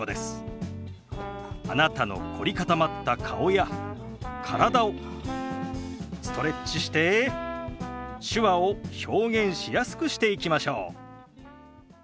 あなたの凝り固まった顔や体をストレッチして手話を表現しやすくしていきましょう。